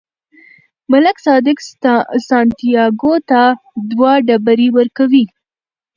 ملک صادق سانتیاګو ته دوه ډبرې ورکوي.